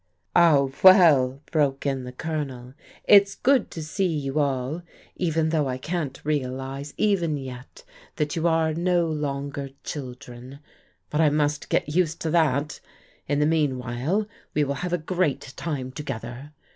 "Ah, well," broke in the Colonel, " it's good to see you all, even although I can't realize, even yet, that you are no longer children. But I must get used to that In the meanwhile we will have a great time together.